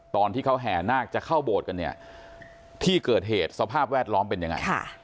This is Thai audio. ตอนที่เขาแห่นาคจะเข้าโบสถ์กันเนี่ยที่เกิดเหตุสภาพแวดล้อมเป็นยังไง